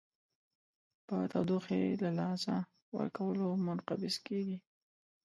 په تودوخې له لاسه ورکولو منقبض کیږي.